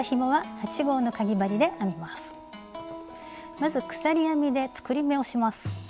まず鎖編みで作り目をします。